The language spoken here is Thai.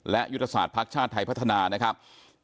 และยุทธศาสตร์ภักดิ์ชาติไทยพัฒนานะครับ